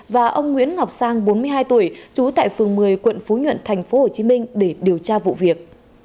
và ông nguyễn ngọc sang bốn mươi hai tuổi trú tại phường một mươi quận phú nhuận tp hcm để điều tra vụ việc